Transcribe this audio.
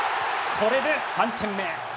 これで３点目。